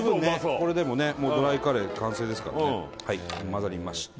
これでもねもうドライカレー完成ですからねはい混ざりました